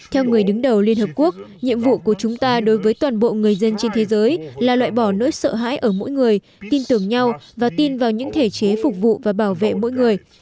theo người đứng đầu liên hợp quốc nhiệm vụ của chúng ta đối với toàn bộ người dân trên thế giới là loại bỏ nỗi sợ hãi ở mỗi người tin tưởng nhau và tin vào những thể chế phục vụ và bảo vệ mỗi người